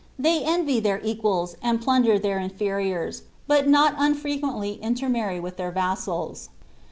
They envy their equals, and plunder their inferiors, but not unfrequently intermarry with their vassals."